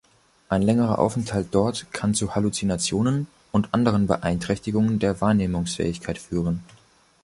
Ein längerer Aufenthalt dort kann zu Halluzinationen und anderen Beeinträchtigungen der Wahrnehmungsfähigkeit führen.